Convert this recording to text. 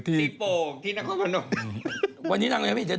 ตีโป่งที่นครพาณธมาด